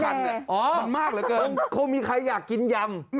สาระแน่อ๋อมันมากเหลือเกินเขามีใครอยากกินยัง